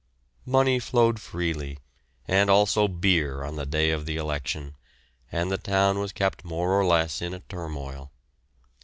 Money flowed freely, and also beer on the day of the election, and the town was kept more or less in a turmoil.